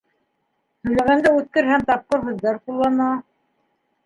Һөйләгәндә үткер һәм тапҡыр һүҙҙәр ҡуллана.